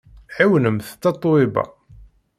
Ɛiwnemt Tatoeba!